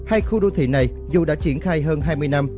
hai khu đô thị này dù đã triển khai hơn hai mươi năm